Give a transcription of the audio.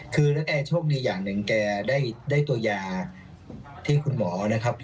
คือแล้วแอร์โชคดีอย่างหนึ่งแกได้ตัวยาที่คุณหมอนะครับ